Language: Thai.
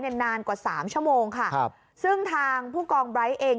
ในนานกว่า๓ชั่วโมงค่ะซึ่งทางผู้กองไบร์ทเอง